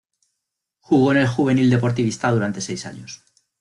Jugó en el Juvenil deportivista durante seis años.